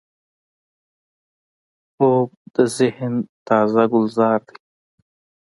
خوب د ذهن تازه ګلزار دی